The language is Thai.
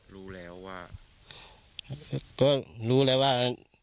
รู้แล้วว่าก็รู้แล้วว่า